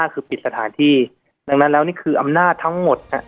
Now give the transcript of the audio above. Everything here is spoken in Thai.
คือปิดสถานที่ดังนั้นแล้วนี่คืออำนาจทั้งหมด